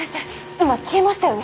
今消えましたよね？